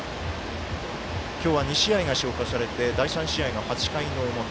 今日は２試合消化されて第３試合の８回の表。